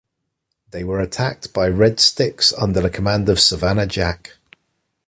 They were attacked by Red Sticks under the command of Savannah Jack.